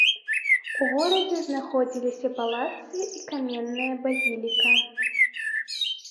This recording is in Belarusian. У горадзе знаходзіліся палацы і каменная базіліка.